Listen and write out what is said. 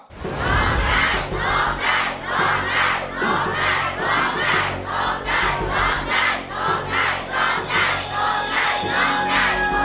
ภูมิใจภูมิใจภูมิใจ